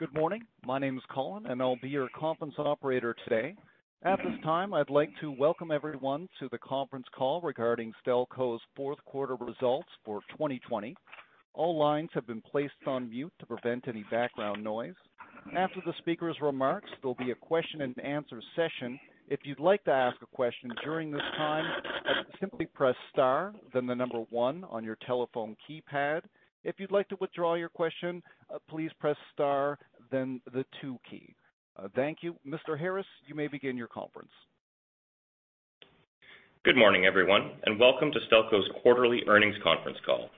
Good morning. My name is Colin, and I'll be your conference operator today. At this time, I'd like to welcome everyone to the conference call regarding Stelco's fourth quarter results for 2020. All lines have been placed on mute to prevent any background noise. After the speaker's remarks, there'll be a question and answer session. If you'd like to ask a question during this time, simply press star, then the number one on your telephone keypad. If you'd like to withdraw your question, please press star, then the two key. Thank you. Mr. Harris, you may begin your conference. Good morning, everyone, and welcome to Stelco's quarterly earnings conference call.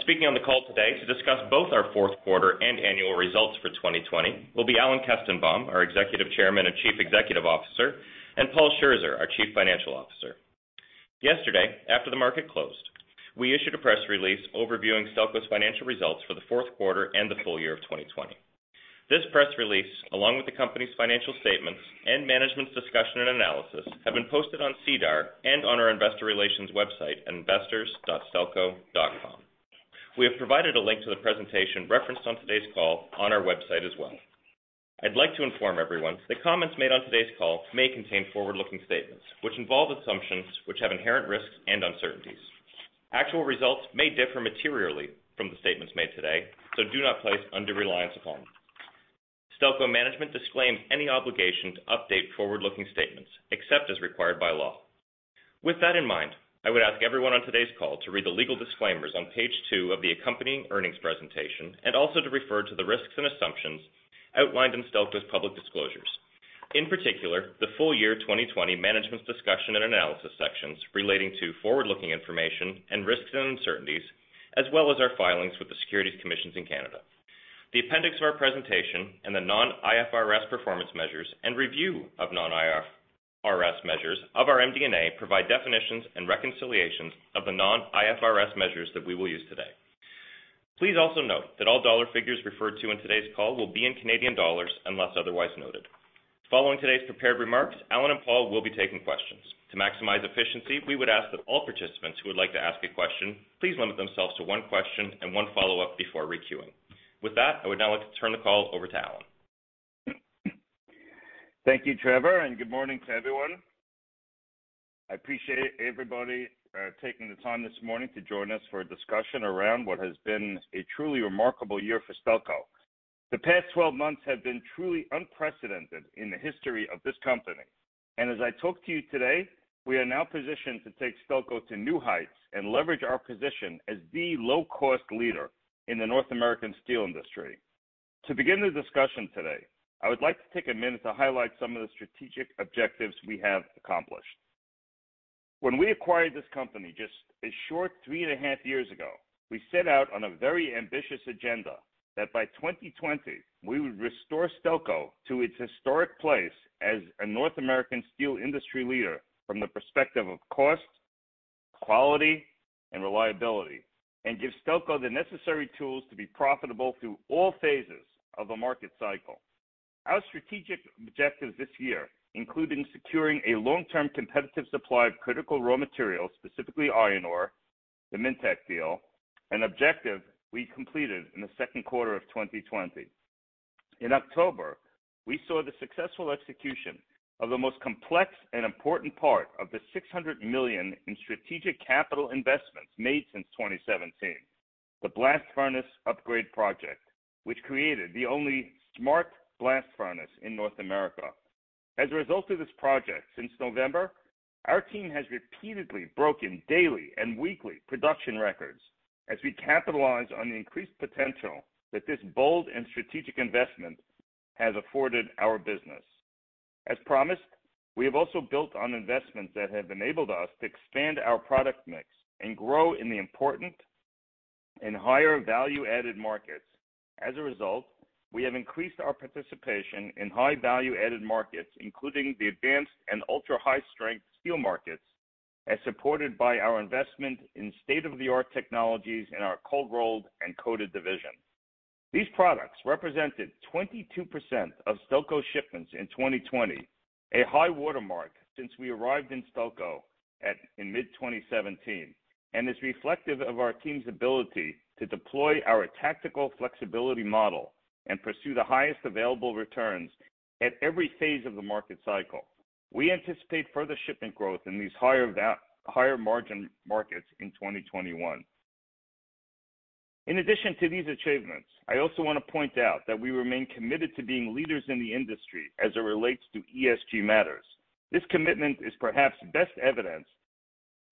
Speaking on the call today to discuss both our fourth quarter and annual results for 2020 will be Alan Kestenbaum, our Executive Chairman and Chief Executive Officer, and Paul Scherzer, our Chief Financial Officer. Yesterday, after the market closed, we issued a press release overviewing Stelco's financial results for the fourth quarter and the full year of 2020. This press release, along with the company's financial statements and Management's Discussion and Analysis, have been posted on SEDAR and on our investor relations website at investors.stelco.com. We have provided a link to the presentation referenced on today's call on our website as well. I'd like to inform everyone that comments made on today's call may contain forward-looking statements, which involve assumptions which have inherent risks and uncertainties. Actual results may differ materially from the statements made today. Do not place undue reliance upon them. Stelco management disclaims any obligation to update forward-looking statements except as required by law. With that in mind, I would ask everyone on today's call to read the legal disclaimers on page two of the accompanying earnings presentation and also to refer to the risks and assumptions outlined in Stelco's public disclosures. In particular, the full year 2020 management's discussion and analysis sections relating to forward-looking information and risks and uncertainties, as well as our filings with the Securities Commissions in Canada. The appendix of our presentation and the non-IFRS performance measures and review of non-IFRS measures of our MD&A provide definitions and reconciliations of the non-IFRS measures that we will use today. Please also note that all dollar figures referred to in today's call will be in Canadian dollars unless otherwise noted. Following today's prepared remarks, Alan and Paul will be taking questions. To maximize efficiency, we would ask that all participants who would like to ask a question, please limit themselves to one question and one follow-up before re-queuing. With that, I would now like to turn the call over to Alan. Thank you, Trevor, and good morning to everyone. I appreciate everybody taking the time this morning to join us for a discussion around what has been a truly remarkable year for Stelco. The past 12 months have been truly unprecedented in the history of this company, and as I talk to you today, we are now positioned to take Stelco to new heights and leverage our position as the low-cost leader in the North American steel industry. To begin the discussion today, I would like to take a minute to highlight some of the strategic objectives we have accomplished. When we acquired this company just a short three and a half years ago, we set out on a very ambitious agenda that by 2020, we would restore Stelco to its historic place as a North American steel industry leader from the perspective of cost, quality, and reliability, and give Stelco the necessary tools to be profitable through all phases of a market cycle. Our strategic objectives this year including securing a long-term competitive supply of critical raw materials, specifically iron ore, the Minntac deal, an objective we completed in the second quarter of 2020. In October, we saw the successful execution of the most complex and important part of the 600 million in strategic capital investments made since 2017, the blast furnace upgrade project, which created the only smart blast furnace in North America. As a result of this project, since November, our team has repeatedly broken daily and weekly production records as we capitalize on the increased potential that this bold and strategic investment has afforded our business. As promised, we have also built on investments that have enabled us to expand our product mix and grow in the important and higher value-added markets. As a result, we have increased our participation in high value-added markets, including the advanced and ultra-high-strength steel markets as supported by our investment in state-of-the-art technologies in our cold rolled and coated division. These products represented 22% of Stelco shipments in 2020, a high watermark since we arrived in Stelco in mid-2017, and is reflective of our team's ability to deploy our tactical flexibility model and pursue the highest available returns at every phase of the market cycle. We anticipate further shipment growth in these higher margin markets in 2021. In addition to these achievements, I also want to point out that we remain committed to being leaders in the industry as it relates to ESG matters. This commitment is perhaps best evidenced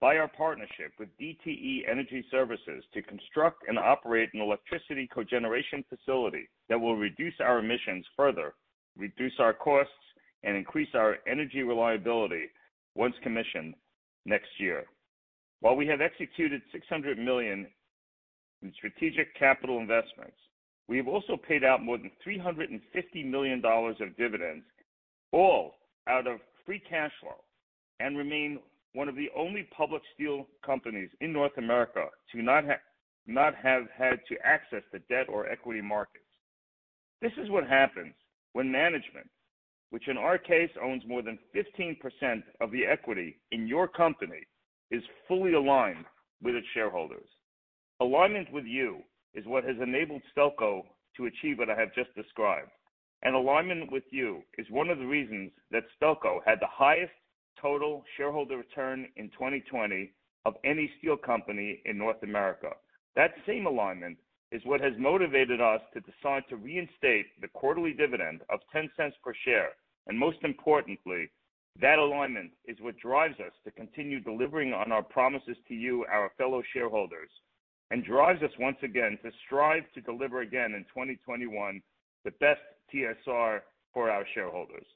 by our partnership with DTE Energy Services to construct and operate an electricity cogeneration facility that will reduce our emissions further, reduce our costs, and increase our energy reliability once commissioned next year. While we have executed 600 million in strategic capital investments, we have also paid out more than 350 million dollars of dividends, all out of free cash flow, and remain one of the only public steel companies in North America to not have had to access the debt or equity markets. This is what happens when management, which in our case, owns more than 15% of the equity in your company, is fully aligned with its shareholders. Alignment with you is what has enabled Stelco to achieve what I have just described. Alignment with you is one of the reasons that Stelco had the highest total shareholder return in 2020 of any steel company in North America. That same alignment is what has motivated us to decide to reinstate the quarterly dividend of 0.10 per share. Most importantly, that alignment is what drives us to continue delivering on our promises to you, our fellow shareholders. Drives us, once again, to strive to deliver again in 2021, the best TSR for our shareholders.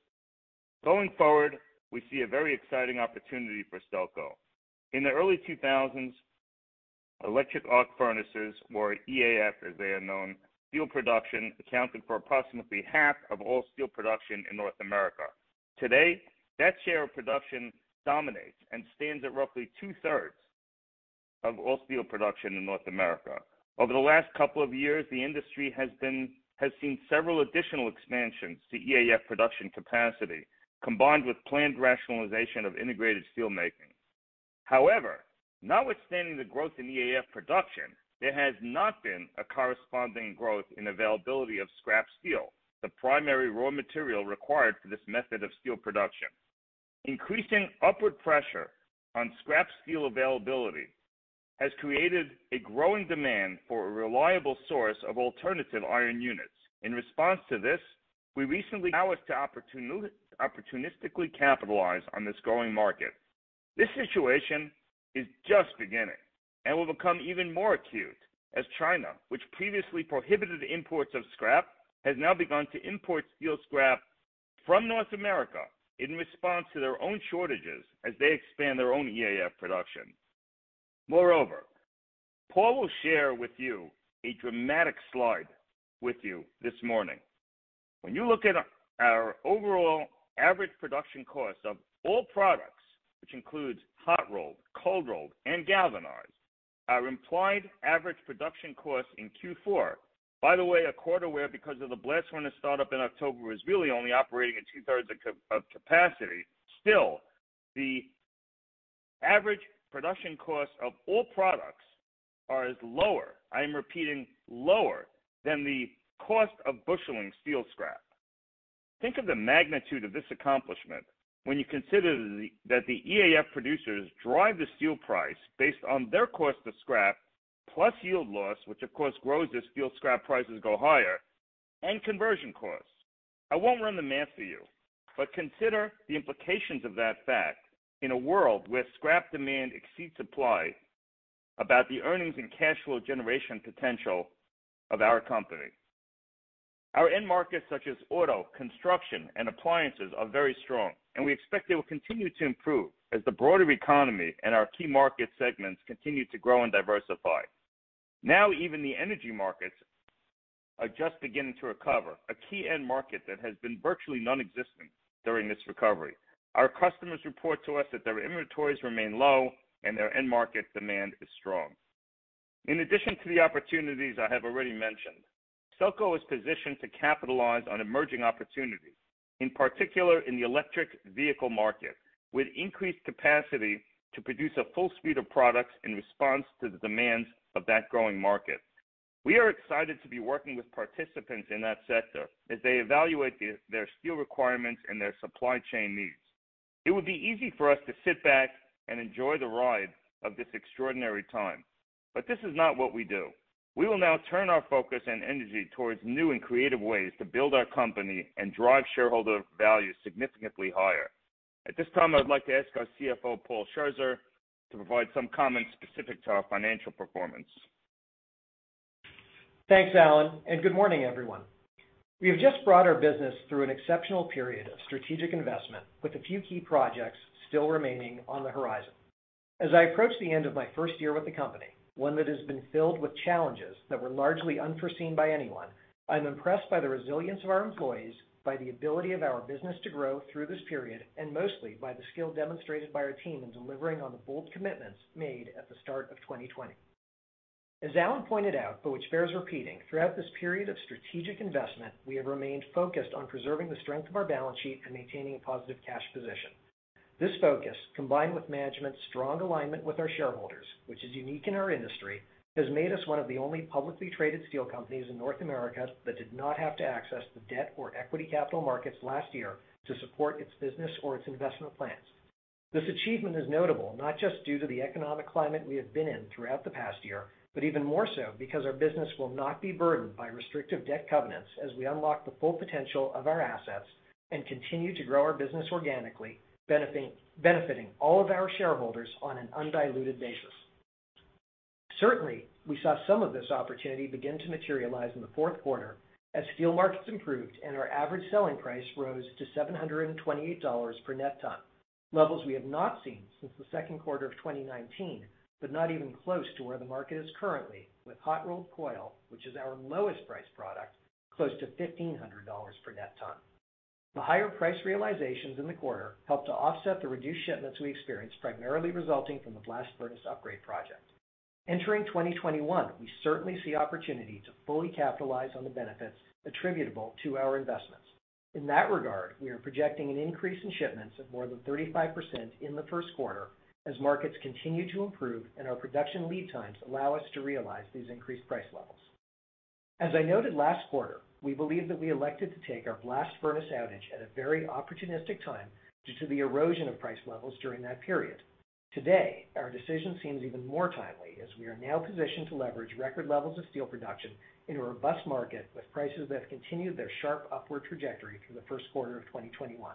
Going forward, we see a very exciting opportunity for Stelco. In the early 2000s, Electric Arc Furnaces, or EAF as they are known, steel production accounted for approximately half of all steel production in North America. Today, that share of production dominates and stands at roughly two-thirds of all steel production in North America. Over the last couple of years, the industry has seen several additional expansions to EAF production capacity, combined with planned rationalization of integrated steelmaking. However, notwithstanding the growth in EAF production, there has not been a corresponding growth in availability of scrap steel, the primary raw material required for this method of steel production. Increasing upward pressure on scrap steel availability has created a growing demand for a reliable source of alternative iron units. In response to this, allow us to opportunistically capitalize on this growing market. This situation is just beginning and will become even more acute as China, which previously prohibited imports of scrap, has now begun to import steel scrap from North America in response to their own shortages as they expand their own EAF production. Moreover, Paul will share a dramatic slide with you this morning. When you look at our overall average production cost of all products, which includes hot-rolled, cold-rolled, and galvanized, our implied average production cost in Q4, by the way, a quarter where, because of the blast furnace start up in October, was really only operating at 2/3 of capacity. Still, the average production cost of all products is lower, I am repeating, lower than the cost of busheling steel scrap. Think of the magnitude of this accomplishment when you consider that the EAF producers drive the steel price based on their cost of scrap plus yield loss, which of course grows as steel scrap prices go higher, and conversion costs. I won't run the math for you, but consider the implications of that fact in a world where scrap demand exceeds supply about the earnings and cash flow generation potential of our company. Our end markets such as auto, construction, and appliances are very strong, and we expect they will continue to improve as the broader economy and our key market segments continue to grow and diversify. Now, even the energy markets are just beginning to recover, a key end market that has been virtually nonexistent during this recovery. Our customers report to us that their inventories remain low and their end market demand is strong. In addition to the opportunities I have already mentioned, Stelco is positioned to capitalize on emerging opportunities, in particular in the electric vehicle market, with increased capacity to produce a full suite of products in response to the demands of that growing market. We are excited to be working with participants in that sector as they evaluate their steel requirements and their supply chain needs. It would be easy for us to sit back and enjoy the ride of this extraordinary time. This is not what we do. We will now turn our focus and energy towards new and creative ways to build our company and drive shareholder value significantly higher. At this time, I would like to ask our CFO, Paul Scherzer, to provide some comments specific to our financial performance. Thanks, Alan, and good morning, everyone. We have just brought our business through an exceptional period of strategic investment with a few key projects still remaining on the horizon. As I approach the end of my first year with the company, one that has been filled with challenges that were largely unforeseen by anyone, I'm impressed by the resilience of our employees, by the ability of our business to grow through this period, and mostly by the skill demonstrated by our team in delivering on the bold commitments made at the start of 2020. As Alan pointed out, but which bears repeating, throughout this period of strategic investment, we have remained focused on preserving the strength of our balance sheet and maintaining a positive cash position. This focus, combined with management's strong alignment with our shareholders, which is unique in our industry, has made us one of the only publicly traded steel companies in North America that did not have to access the debt or equity capital markets last year to support its business or its investment plans. This achievement is notable, not just due to the economic climate we have been in throughout the past year, but even more so because our business will not be burdened by restrictive debt covenants as we unlock the full potential of our assets and continue to grow our business organically, benefiting all of our shareholders on an undiluted basis. Certainly, we saw some of this opportunity begin to materialize in the fourth quarter as steel markets improved and our average selling price rose to 728 dollars per net ton. Levels we have not seen since the second quarter of 2019, but not even close to where the market is currently with hot-rolled coil, which is our lowest priced product, close to $1,500 per net ton. The higher price realizations in the quarter helped to offset the reduced shipments we experienced, primarily resulting from the blast furnace upgrade project. Entering 2021, we certainly see opportunity to fully capitalize on the benefits attributable to our investments. In that regard, we are projecting an increase in shipments of more than 35% in the first quarter as markets continue to improve and our production lead times allow us to realize these increased price levels. As I noted last quarter, we believe that we elected to take our blast furnace outage at a very opportunistic time due to the erosion of price levels during that period. Today, our decision seems even more timely, as we are now positioned to leverage record levels of steel production in a robust market with prices that have continued their sharp upward trajectory through the first quarter of 2021.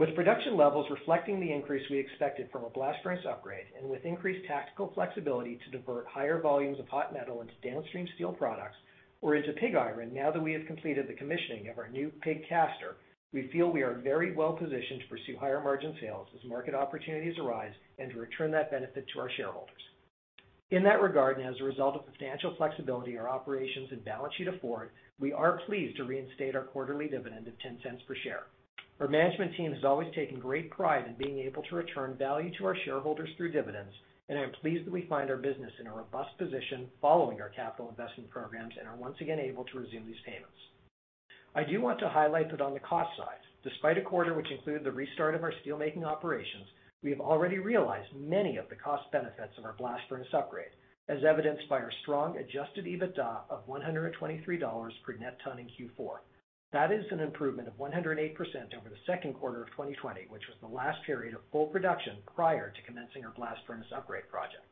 With production levels reflecting the increase we expected from a blast furnace upgrade, and with increased tactical flexibility to divert higher volumes of hot metal into downstream steel products or into pig iron now that we have completed the commissioning of our new pig caster. We feel we are very well positioned to pursue higher-margin sales as market opportunities arise and to return that benefit to our shareholders. In that regard, and as a result of the financial flexibility our operations and balance sheet afford, we are pleased to reinstate our quarterly dividend of 0.10 per share. Our management team has always taken great pride in being able to return value to our shareholders through dividends. I am pleased that we find our business in a robust position following our capital investment programs and are once again able to resume these payments. I do want to highlight that on the cost side, despite a quarter which included the restart of our steelmaking operations, we have already realized many of the cost benefits of our blast furnace upgrade, as evidenced by our strong adjusted EBITDA of 123 dollars per net ton in Q4. That is an improvement of 108% over the second quarter of 2020, which was the last period of full production prior to commencing our blast furnace upgrade project.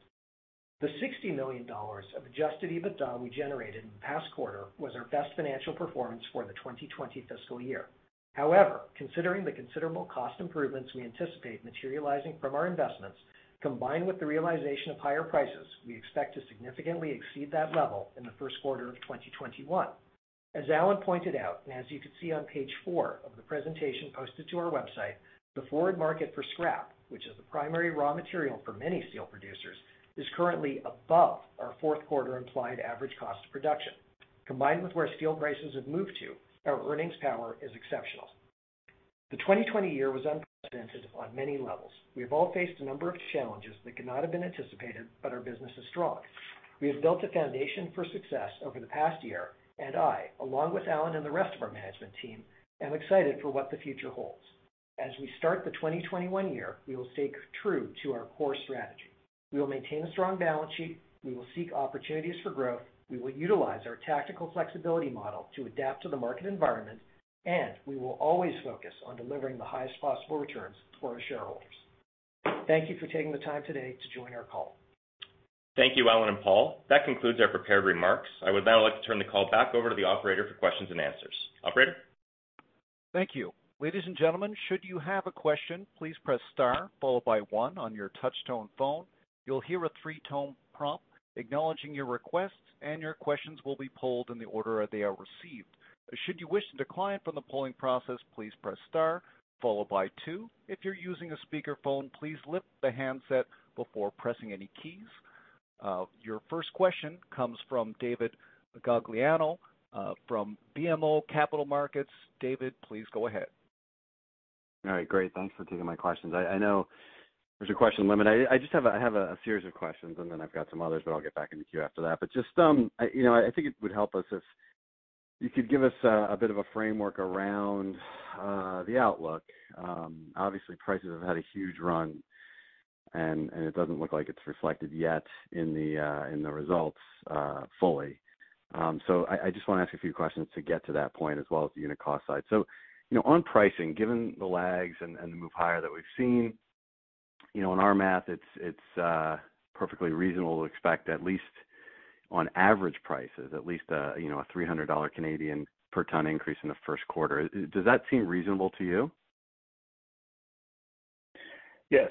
The 60 million dollars of adjusted EBITDA we generated in the past quarter was our best financial performance for the 2020 fiscal year. However, considering the considerable cost improvements we anticipate materializing from our investments, combined with the realization of higher prices, we expect to significantly exceed that level in the first quarter of 2021. As Alan pointed out, and as you can see on page four of the presentation posted to our website, the forward market for scrap, which is the primary raw material for many steel producers, is currently above our fourth-quarter implied average cost of production. Combined with where steel prices have moved to, our earnings power is exceptional. The 2020 year was unprecedented on many levels. We have all faced a number of challenges that could not have been anticipated, but our business is strong. We have built a foundation for success over the past year, and I, along with Alan and the rest of our management team, am excited for what the future holds. As we start the 2021 year, we will stay true to our core strategy. We will maintain a strong balance sheet, we will seek opportunities for growth, we will utilize our tactical flexibility model to adapt to the market environment, and we will always focus on delivering the highest possible returns for our shareholders. Thank you for taking the time today to join our call. Thank you, Alan and Paul. That concludes our prepared remarks. I would now like to turn the call back over to the operator for questions and answers. Operator? Thank you. Ladies and gentlemen, should you have a question, please press star followed by one on your touch-tone phone. You will hear a three-tone prompt acknowledging your request, and your questions will be polled in the order they are received. Should you wish to decline from the polling process, please press star followed by two. If you are using a speakerphone, please lift the handset before pressing any keys. Your first question comes from David Gagliano from BMO Capital Markets. David, please go ahead. All right. Great. Thanks for taking my questions. I know there's a question limit. I just have a series of questions, and then I've got some others, but I'll get back into queue after that. Just, I think it would help us if you could give us a bit of a framework around the outlook. Obviously, prices have had a huge run, and it doesn't look like it's reflected yet in the results fully. I just want to ask a few questions to get to that point, as well as the unit cost side. On pricing, given the lags and the move higher that we've seen, in our math, it's perfectly reasonable to expect, at least on average prices, at least a 300 Canadian dollars per ton increase in the first quarter. Does that seem reasonable to you? Yes.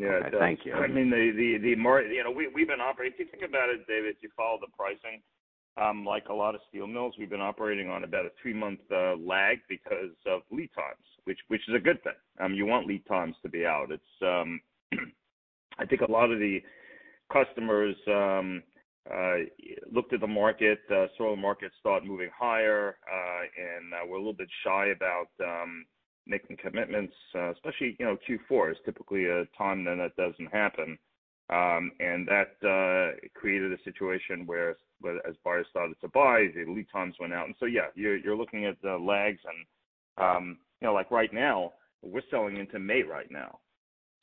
Okay. Thank you. If you think about it, David, you follow the pricing. Like a lot of steel mills, we've been operating on about a three-month lag because of lead times, which is a good thing. You want lead times to be out. I think a lot of the customers looked at the market. Several markets started moving higher, and were a little bit shy about making commitments, especially Q4 is typically a time when that doesn't happen. That created a situation where as buyers started to buy, the lead times went out. Yeah, you're looking at the lags and like right now, we're selling into May right now.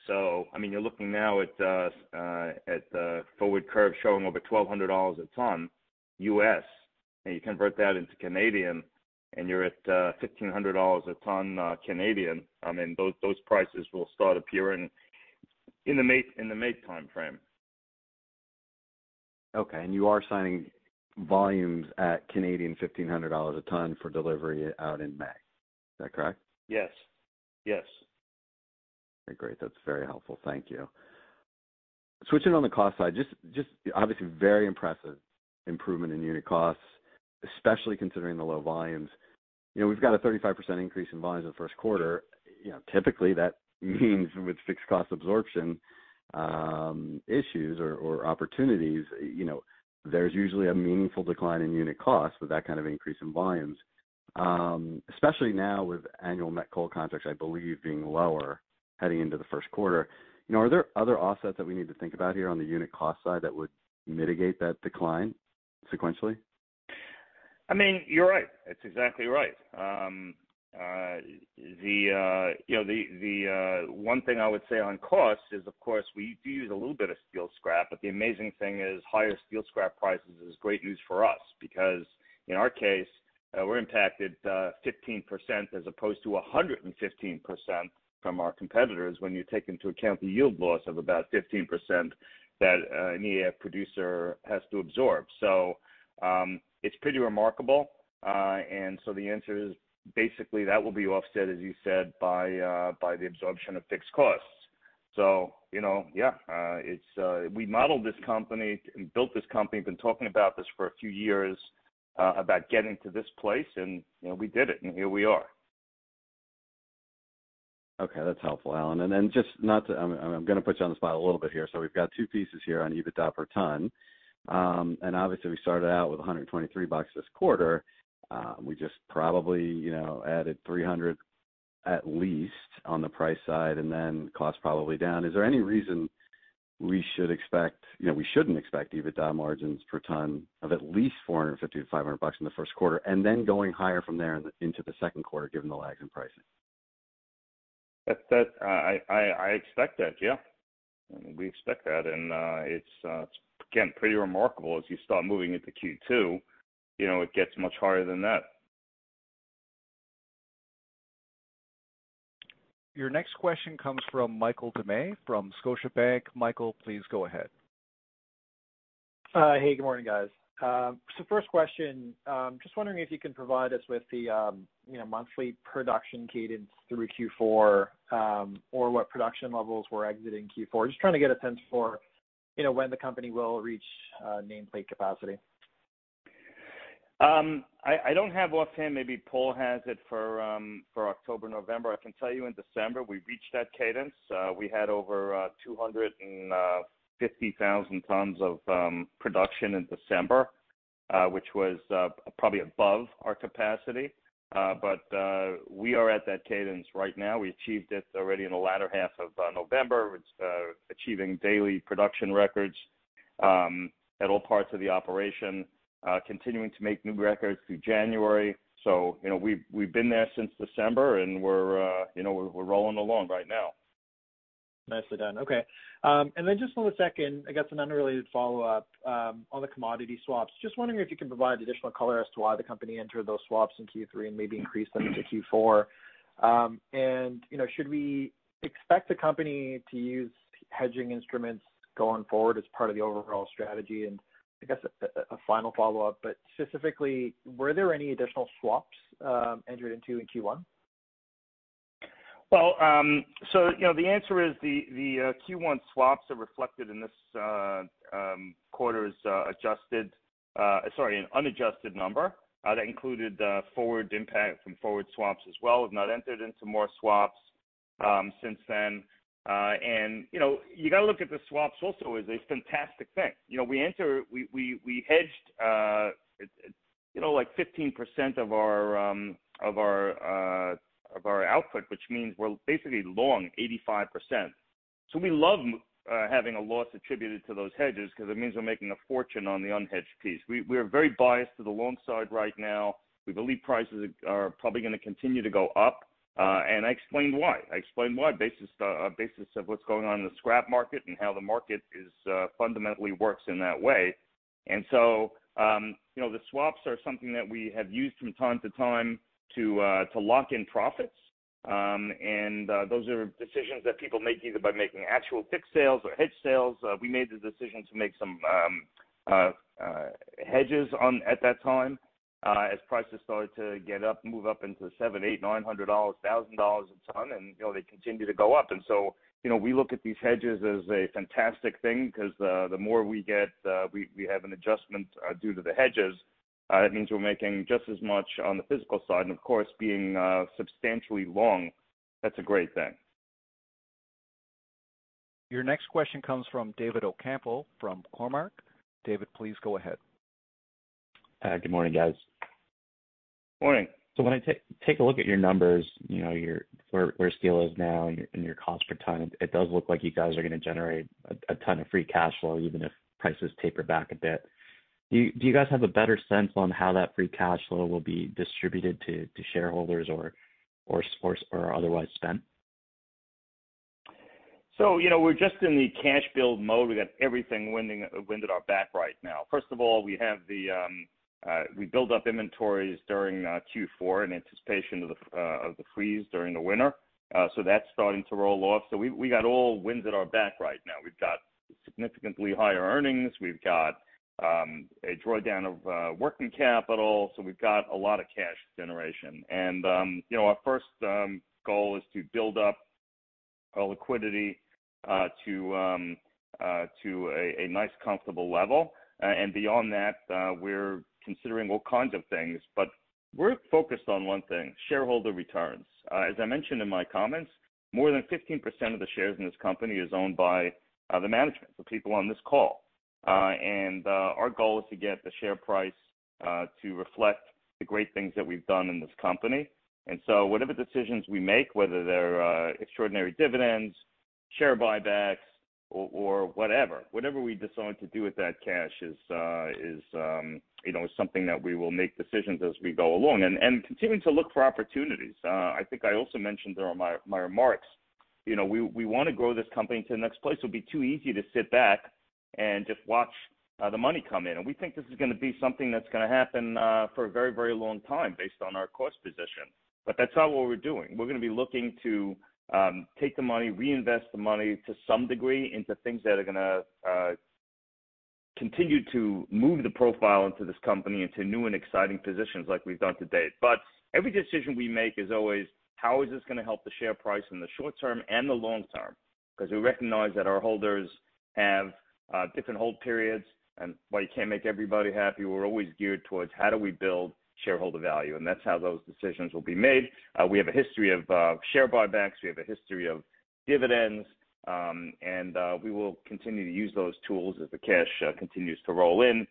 You're looking now at the forward curve showing over $1,200 a ton U.S., and you convert that into Canadian, and you're at 1,500 dollars a ton Canadian. Those prices will start appearing in the May timeframe. Okay, you are signing volumes at 1,500 Canadian dollars a ton for delivery out in May. Is that correct? Yes. Okay, great. That's very helpful. Thank you. Switching on the cost side, just obviously very impressive improvement in unit costs, especially considering the low volumes. We've got a 35% increase in volumes in the first quarter. Typically, that means with fixed cost absorption issues or opportunities, there's usually a meaningful decline in unit costs with that kind of increase in volumes. Especially now with annual met coal contracts, I believe being lower heading into the first quarter. Are there other offsets that we need to think about here on the unit cost side that would mitigate that decline sequentially? You're right. That's exactly right. The one thing I would say on cost is, of course, we do use a little bit of steel scrap, but the amazing thing is higher steel scrap prices is great news for us because in our case, we're impacted 15% as opposed to 115% from our competitors when you take into account the yield loss of about 15% that any producer has to absorb. It's pretty remarkable. The answer is basically that will be offset, as you said, by the absorption of fixed costs. Yeah. We modeled this company and built this company, been talking about this for a few years, about getting to this place, and we did it, and here we are. Okay. That's helpful, Alan. Then I'm going to put you on the spot a little bit here. We've got two pieces here on EBITDA per ton. Obviously we started out with 123 bucks this quarter. We just probably added 300 at least on the price side, and then cost probably down. Is there any reason we shouldn't expect EBITDA margins per ton of at least 450-500 bucks in the first quarter, and then going higher from there into the second quarter, given the lags in pricing? I expect that, yeah. We expect that. It's, again, pretty remarkable as you start moving into Q2, it gets much higher than that. Your next question comes from Michael Doumet from Scotiabank. Michael, please go ahead. Hey, good morning, guys. First question, just wondering if you can provide us with the monthly production cadence through Q4, or what production levels we're exiting Q4. Just trying to get a sense for when the company will reach nameplate capacity. I don't have offhand, maybe Paul has it for October, November. I can tell you in December, we reached that cadence. We had over 250,000 tons of production in December, which was probably above our capacity. We are at that cadence right now. We achieved it already in the latter half of November with achieving daily production records at all parts of the operation. Continuing to make new records through January. We've been there since December, and we're rolling along right now. Nicely done. Okay. Then just on the second, I guess an unrelated follow-up. On the commodity swaps, just wondering if you can provide additional color as to why the company entered those swaps in Q3 and maybe increased them into Q4. Should we expect the company to use hedging instruments going forward as part of the overall strategy? I guess a final follow-up, specifically, were there any additional swaps entered into in Q1? The answer is the Q1 swaps are reflected in this quarter's adjusted, sorry, unadjusted number. That included forward impact from forward swaps as well. We've not entered into more swaps since then. You got to look at the swaps also as a fantastic thing. We hedged like 15% of our output, which means we're basically long 85%. We love having a loss attributed to those hedges because it means we're making a fortune on the unhedged piece. We are very biased to the long side right now. We believe prices are probably going to continue to go up. I explained why. I explained why basis of what's going on in the scrap market and how the market fundamentally works in that way. The swaps are something that we have used from time to time to lock in profits. Those are decisions that people make either by making actual fixed sales or hedge sales. We made the decision to make some hedges at that time as prices started to get up, move up into 700, 800, 900 dollars, 1,000 dollars a ton, and they continue to go up. We look at these hedges as a fantastic thing because the more we get, we have an adjustment due to the hedges. That means we're making just as much on the physical side, and of course, being substantially long, that's a great thing. Your next question comes from David Ocampo from Cormark. David, please go ahead. Good morning, guys. Morning. When I take a look at your numbers, where steel is now and your cost per ton, it does look like you guys are going to generate a ton of free cash flow, even if prices taper back a bit. Do you guys have a better sense on how that free cash flow will be distributed to shareholders or otherwise spent? We're just in the cash build mode. We got everything wind at our back right now. First of all, we build up inventories during Q4 in anticipation of the freeze during the winter. That's starting to roll off. We got all winds at our back right now. We've got significantly higher earnings. We've got a drawdown of working capital. We've got a lot of cash generation. Our first goal is to build up our liquidity to a nice comfortable level. Beyond that, we're considering all kinds of things, but we're focused on one thing, shareholder returns. As I mentioned in my comments, more than 15% of the shares in this company is owned by the management, the people on this call. Our goal is to get the share price to reflect the great things that we've done in this company. Whatever decisions we make, whether they're extraordinary dividends, share buybacks, or whatever. Whatever we decide to do with that cash is something that we will make decisions as we go along. Continuing to look for opportunities. I think I also mentioned during my remarks, we want to grow this company to the next place. It would be too easy to sit back and just watch the money come in. We think this is going to be something that's going to happen for a very, very long time based on our cost position. That's not what we're doing. We're going to be looking to take the money, reinvest the money to some degree into things that are going to continue to move the profile into this company into new and exciting positions like we've done to date. Every decision we make is always, how is this going to help the share price in the short term and the long term? We recognize that our holders have different hold periods, and while you can't make everybody happy, we're always geared towards how do we build shareholder value. That's how those decisions will be made. We have a history of share buybacks, we have a history of dividends, we will continue to use those tools as the cash continues to roll in.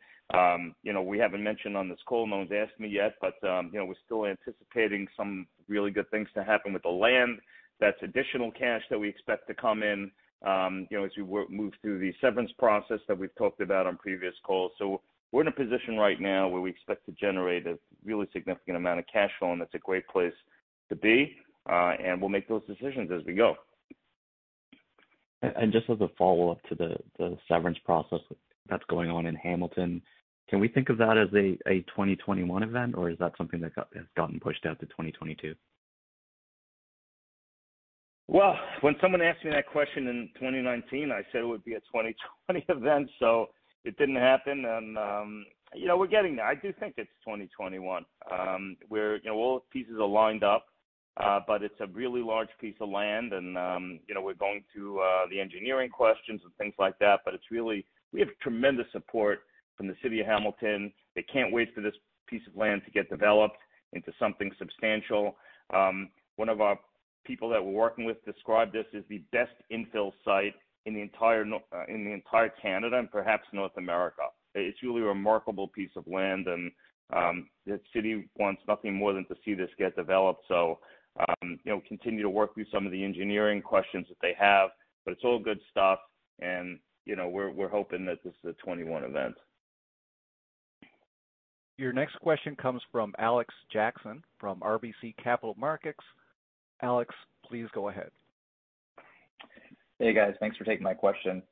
We haven't mentioned on this call, no one's asked me yet, but we're still anticipating some really good things to happen with the land. That's additional cash that we expect to come in as we move through the severance process that we've talked about on previous calls. We're in a position right now where we expect to generate a really significant amount of cash flow, and that's a great place to be. We'll make those decisions as we go. Just as a follow-up to the severance process that's going on in Hamilton, can we think of that as a 2021 event, or is that something that has gotten pushed out to 2022? Well, when someone asked me that question in 2019, I said it would be a 2020 event, so it didn't happen. We're getting there. I do think it's 2021. All pieces are lined up, but it's a really large piece of land, and we're going through the engineering questions and things like that. We have tremendous support from the city of Hamilton. They can't wait for this piece of land to get developed into something substantial. One of our people that we're working with described this as the best infill site in the entire Canada, and perhaps North America. It's really a remarkable piece of land, and the city wants nothing more than to see this get developed. Continue to work through some of the engineering questions that they have, but it's all good stuff. We're hoping that this is a 2021 event. Your next question comes from Alexander Jackson from RBC Capital Markets. Alex, please go ahead. Hey, guys. Thanks for taking my question.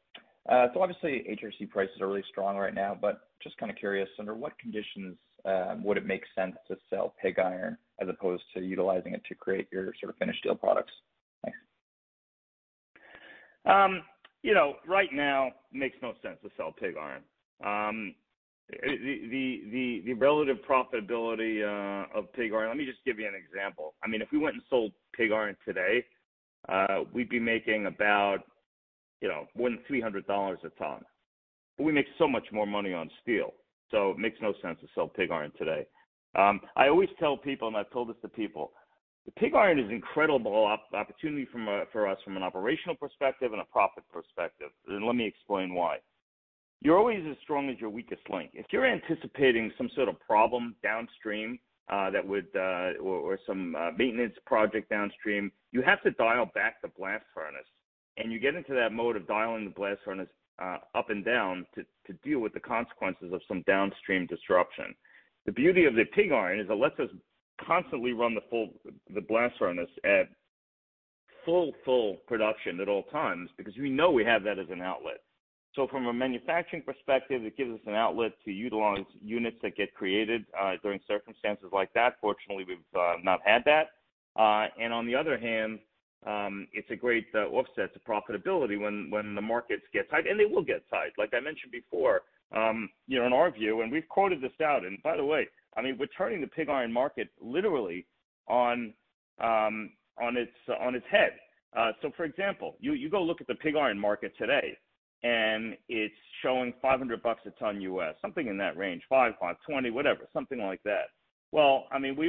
Obviously, HRC prices are really strong right now, but just kind of curious, under what conditions would it make sense to sell pig iron as opposed to utilizing it to create your sort of finished steel products? Thanks. Right now, it makes no sense to sell pig iron. The relative profitability of pig iron, let me just give you an example. If we went and sold pig iron today, we'd be making about more than $300 a ton. We make so much more money on steel, it makes no sense to sell pig iron today. I always tell people, and I've told this to people, the pig iron is incredible opportunity for us from an operational perspective and a profit perspective. Let me explain why. You're always as strong as your weakest link. If you're anticipating some sort of problem downstream, or some maintenance project downstream, you have to dial back the blast furnace, and you get into that mode of dialing the blast furnace up and down to deal with the consequences of some downstream disruption. The beauty of the pig iron is it lets us constantly run the blast furnace at full production at all times because we know we have that as an outlet. From a manufacturing perspective, it gives us an outlet to utilize units that get created during circumstances like that. Fortunately, we've not had that. On the other hand, it's a great offset to profitability when the markets get tight, and they will get tight. Like I mentioned before, in our view, and we've quoted this out, and by the way, we're turning the pig iron market literally on its head. For example, you go look at the pig iron market today, and it's showing $500 a ton U.S., something in that range, $520, whatever, something like that. We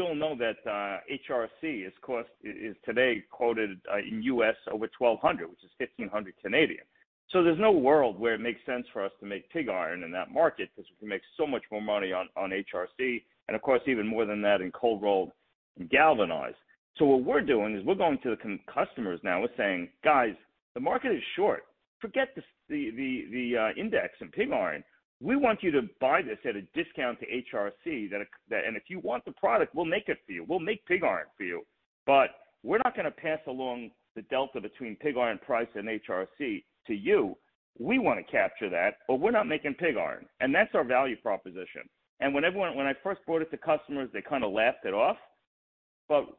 all know that HRC is today quoted in U.S. over $1,200, which is 1,500. There's no world where it makes sense for us to make pig iron in that market because we can make so much more money on HRC, and of course, even more than that in cold rolled galvanize. What we're doing is we're going to the customers now, we're saying, "Guys, the market is short. Forget the index and pig iron. We want you to buy this at a discount to HRC, and if you want the product, we'll make it for you. We'll make pig iron for you. But we're not going to pass along the delta between pig iron price and HRC to you. We want to capture that, but we're not making pig iron." That's our value proposition. When I first brought it to customers, they kind of laughed it off.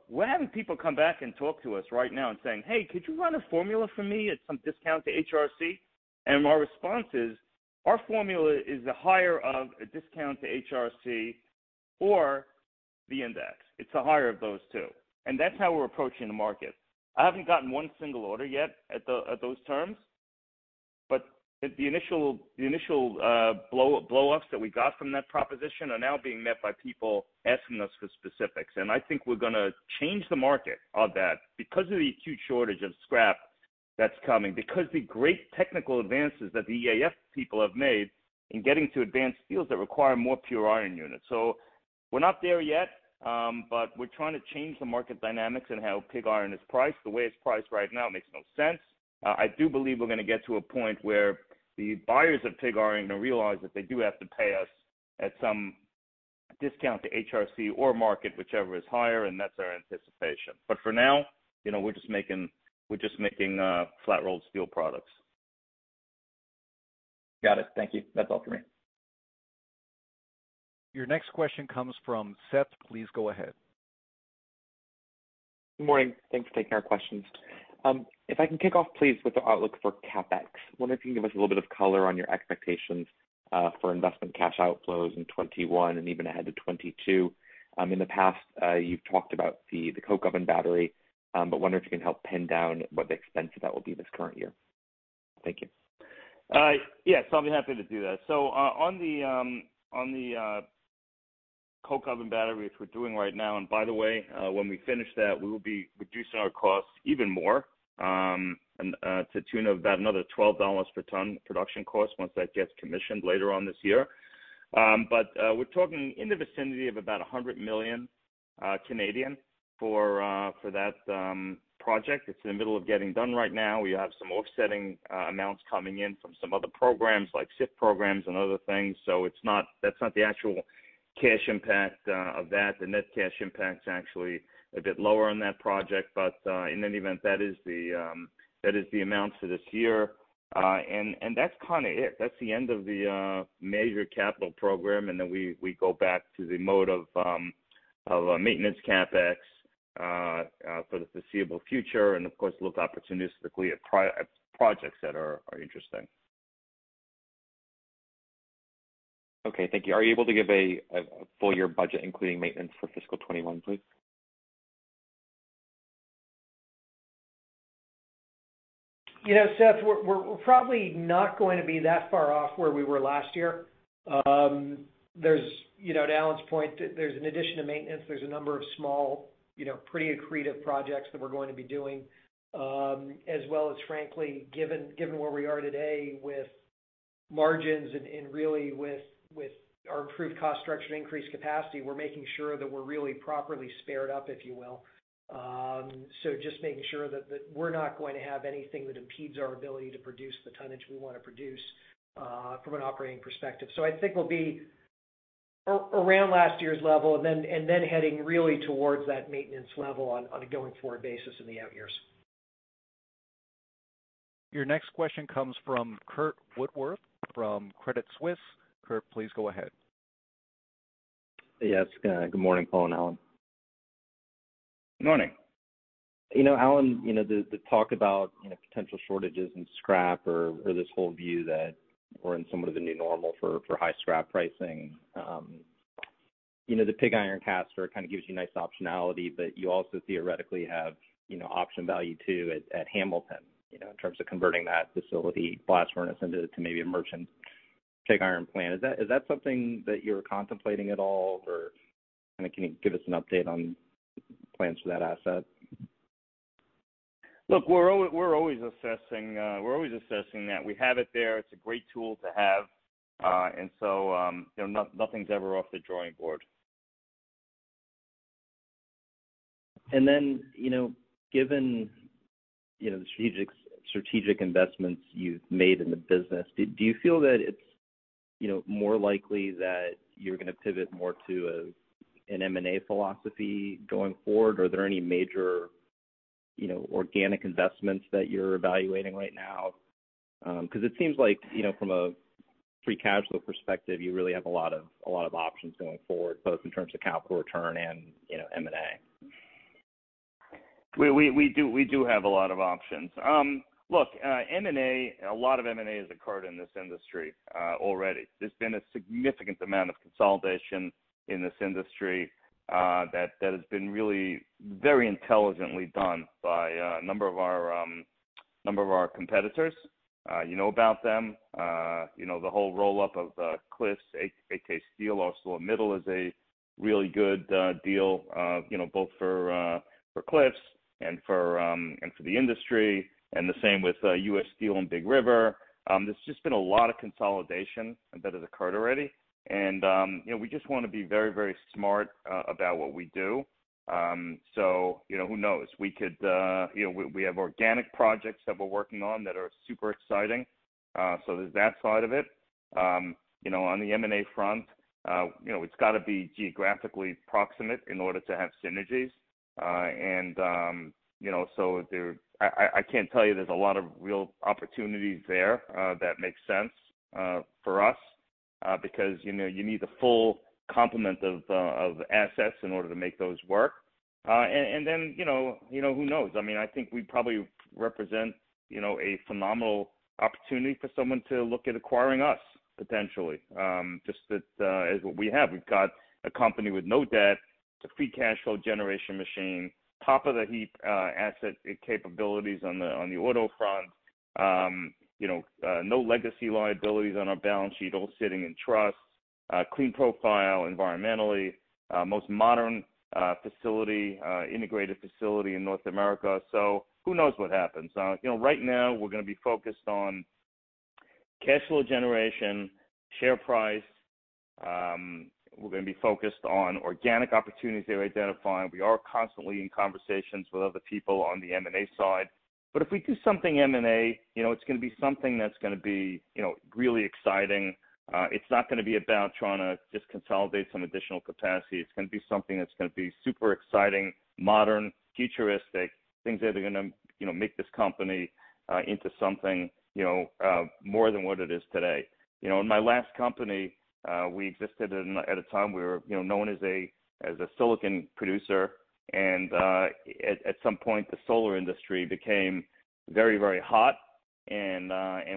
We're having people come back and talk to us right now and saying, "Hey, could you run a formula for me at some discount to HRC?" My response is, "Our formula is the higher of a discount to HRC or the index." It's the higher of those two. That's how we're approaching the market. I haven't gotten one single order yet at those terms, but the initial blow-ups that we got from that proposition are now being met by people asking us for specifics. I think we're going to change the market on that because of the acute shortage of scrap. That's coming because the great technical advances that the EAF people have made in getting to advanced fields that require more pure iron units. We're not there yet, but we're trying to change the market dynamics and how pig iron is priced. The way it's priced right now makes no sense. I do believe we're going to get to a point where the buyers of pig iron are going to realize that they do have to pay us at some discount to HRC or market, whichever is higher, and that's our anticipation. For now, we're just making flat-rolled steel products. Got it. Thank you. That's all for me. Your next question comes from Seth. Please go ahead. Good morning. Thanks for taking our questions. If I can kick off, please, with the outlook for CapEx. Wonder if you can give us a little bit of color on your expectations for investment cash outflows in 2021 and even ahead to 2022. In the past, you've talked about the coke oven battery, but wonder if you can help pin down what the expense of that will be this current year. Thank you. Yes, I'll be happy to do that. On the coke oven battery, which we're doing right now, and by the way, when we finish that, we will be reducing our costs even more, to the tune of about another 12 dollars per ton production cost once that gets commissioned later on this year. We're talking in the vicinity of about 100 million for that project. It's in the middle of getting done right now. We have some offsetting amounts coming in from some other programs, like SIF programs and other things. That's not the actual cash impact of that. The net cash impact is actually a bit lower on that project. In any event, that is the amounts for this year. That's kind of it. That's the end of the major capital program, and then we go back to the mode of a maintenance CapEx for the foreseeable future and, of course, look opportunistically at projects that are interesting. Okay, thank you. Are you able to give a full-year budget, including maintenance for fiscal 2021, please? You know, Seth, we're probably not going to be that far off where we were last year. To Alan's point, there's an addition to maintenance. There's a number of small, pretty accretive projects that we're going to be doing, as well as frankly, given where we are today with margins and really with our improved cost structure and increased capacity, we're making sure that we're really properly spared up, if you will. Just making sure that we're not going to have anything that impedes our ability to produce the tonnage we want to produce from an operating perspective. I think we'll be around last year's level and then heading really towards that maintenance level on a going-forward basis in the out years. Your next question comes from Curt Woodworth from Credit Suisse. Curt, please go ahead. Yes. Good morning, Paul and Alan. Good morning. Alan, the talk about potential shortages in scrap or this whole view that we're in somewhat of a new normal for high scrap pricing. The pig iron caster kind of gives you nice optionality, but you also theoretically have option value too, at Hamilton, in terms of converting that facility blast furnace into maybe a merchant pig iron plant. Is that something that you're contemplating at all, or can you give us an update on plans for that asset? Look, we're always assessing that. We have it there. It's a great tool to have. Nothing's ever off the drawing board. Given the strategic investments you've made in the business, do you feel that it's more likely that you're going to pivot more to an M&A philosophy going forward? Are there any major organic investments that you're evaluating right now? It seems like from a free cash flow perspective, you really have a lot of options going forward, both in terms of capital return and M&A. We do have a lot of options. Look, a lot of M&A has occurred in this industry already. There's been a significant amount of consolidation in this industry that has been really very intelligently done by a number of our competitors. You know about them. The whole roll-up of Cliffs, AK Steel, ArcelorMittal is a really good deal both for Cliffs and for the industry, and the same with U.S. Steel and Big River. There's just been a lot of consolidation that has occurred already. We just want to be very smart about what we do. Who knows? We have organic projects that we're working on that are super exciting. There's that side of it. On the M&A front, it's got to be geographically proximate in order to have synergies. I can't tell you there's a lot of real opportunities there that make sense for us because you need the full complement of assets in order to make those work. Who knows? I think we probably represent a phenomenal opportunity for someone to look at acquiring us potentially. Just that is what we have. We've got a company with no debt, it's a free cash flow generation machine, top of the heap asset capabilities on the auto front. No legacy liabilities on our balance sheet, all sitting in trust. Clean profile environmentally. Most modern integrated facility in North America. Who knows what happens? Right now, we're going to be focused on cash flow generation, share price. We're going to be focused on organic opportunities that we're identifying. We are constantly in conversations with other people on the M&A side, but if we do something M&A, it's going to be something that's going to be really exciting. It's not going to be about trying to just consolidate some additional capacity. It's going to be something that's going to be super exciting, modern, futuristic, things that are going to make this company into something more than what it is today. In my last company, we existed at a time we were known as a silicon producer, and at some point, the solar industry became very, very hot.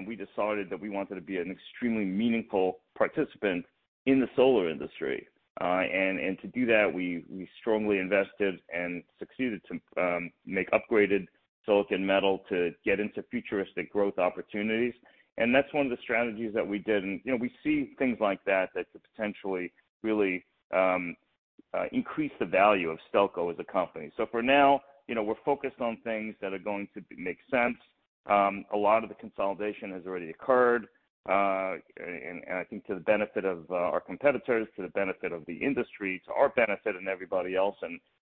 We decided that we wanted to be an extremely meaningful participant in the solar industry. To do that, we strongly invested and succeeded to make upgraded silicon metal to get into futuristic growth opportunities. That's one of the strategies that we did, and we see things like that could potentially really increase the value of Stelco as a company. For now, we're focused on things that are going to make sense. A lot of the consolidation has already occurred, and I think to the benefit of our competitors, to the benefit of the industry, to our benefit and everybody else.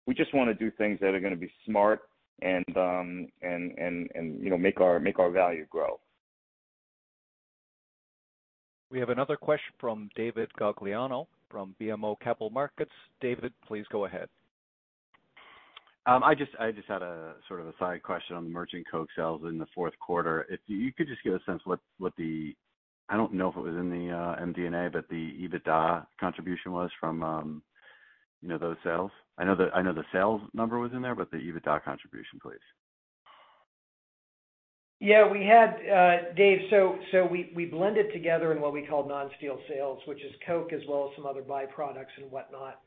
We just want to do things that are going to be smart and make our value grow. We have another question from David Gagliano from BMO Capital Markets. David, please go ahead. I just had a side question on the merchant coke sales in the fourth quarter. If you could just give a sense what the, I don't know if it was in the MD&A, but the EBITDA contribution was from those sales. I know the sales number was in there, but the EBITDA contribution, please. Yeah, David, so we blend it together in what we call non-steel sales, which is coke as well as some other byproducts and whatnot.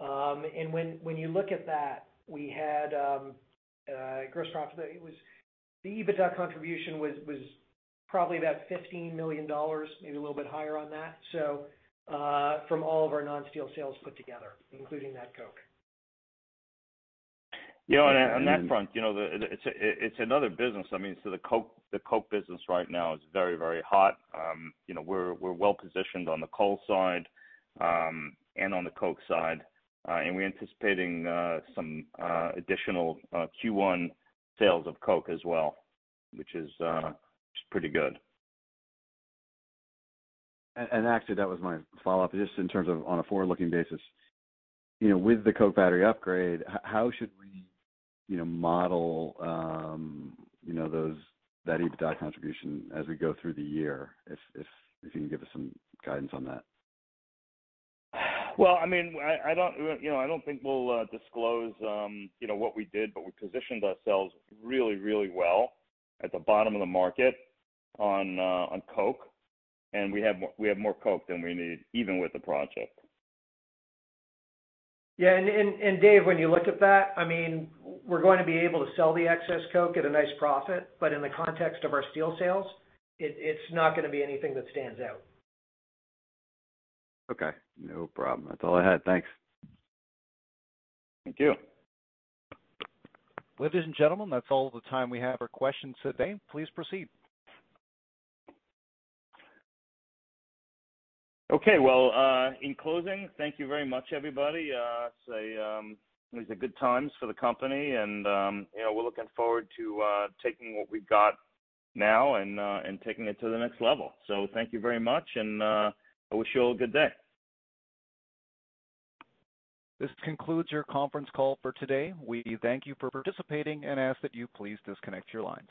When you look at that, we had gross profit. The EBITDA contribution was probably about 15 million dollars, maybe a little bit higher on that, from all of our non-steel sales put together, including that coke. Yeah, on that front, it's another business. The coke business right now is very, very hot. We're well-positioned on the coal side and on the coke side. We're anticipating some additional Q1 sales of coke as well, which is pretty good. Actually, that was my follow-up, just in terms of on a forward-looking basis. With the coke battery upgrade, how should we model that EBITDA contribution as we go through the year, if you can give us some guidance on that? I don't think we'll disclose what we did, but we positioned ourselves really, really well at the bottom of the market on coke, and we have more coke than we need, even with the project. Yeah. Dave, when you look at that, we're going to be able to sell the excess coke at a nice profit, but in the context of our steel sales, it's not going to be anything that stands out. Okay, no problem. That's all I had. Thanks. Thank you. Ladies and gentlemen, that's all the time we have for questions today. Please proceed. Okay. Well, in closing, thank you very much, everybody. These are good times for the company, and we're looking forward to taking what we've got now and taking it to the next level. Thank you very much, and I wish you all a good day. This concludes your conference call for today. We thank you for participating and ask that you please disconnect your lines.